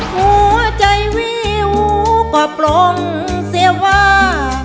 หัวใจวิวก็ปลงเสียว่า